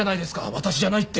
私じゃないって！